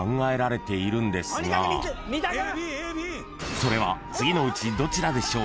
［それは次のうちどちらでしょう？］